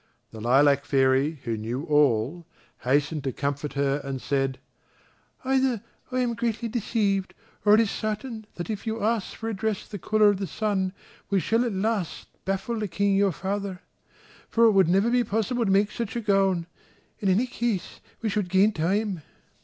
The Lilac fairy, who knew all, hastened to comfort her and said: "Either I am greatly deceived or it is certain that if you ask for a dress the colour of the sun we shall at last baffle the King your father, for it would never be possible to make such a gown; in any case we should gain time."